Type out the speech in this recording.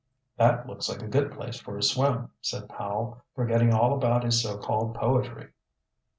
"That looks like a good place for a swim," said Powell, forgetting all about his so called poetry.